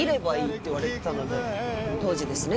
当時ですね